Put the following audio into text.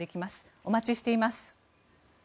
お待ちしています。